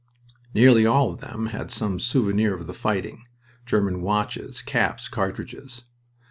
Nearly all of them had some "souvenir" of the fighting German watches, caps, cartridges.